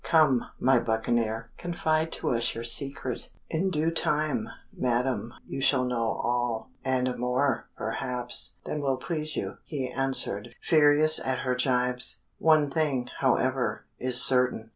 Come, my buccaneer, confide to us your secret?" "In due time, madam, you shall know all, and more, perhaps, than will please you," he answered, furious at her gibes. "One thing, however, is certain.